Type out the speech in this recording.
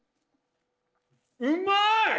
うまい！